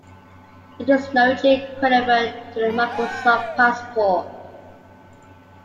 It is a Norwegian equivialent to the Microsoft Passport.